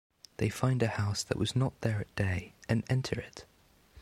They find a house that was not there at day and enter it.